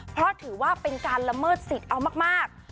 เพราะถือว่าเป็นการละเมิดสิทธิ์เอามาก